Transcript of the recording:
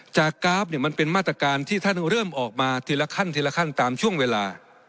กราฟเนี่ยมันเป็นมาตรการที่ท่านเริ่มออกมาทีละขั้นทีละขั้นตามช่วงเวลา